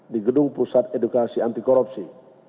di gedung pusat edukasi antikorupsi